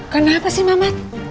kenapa sih mamat